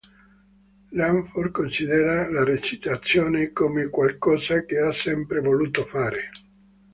Langford considera la recitazione come qualcosa che ha sempre voluto fare.